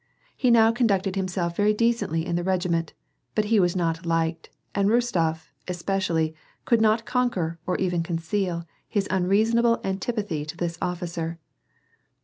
He now conducted himself very decently in the reg iment, but he was not liked, and Rostof , especially, could not con quer, or even conceal, his unreasonable antipathy to this officer.